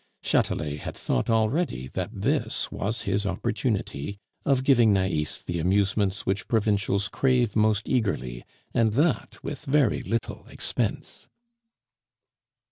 Chatelet had thought already that this was his opportunity of giving Nais the amusements which provincials crave most eagerly, and that with very little expense.